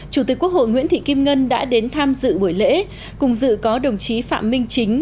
chủ tịch quốc hội nguyễn thị kim ngân đã đến tham dự buổi lễ cùng dự có đồng chí phạm minh chính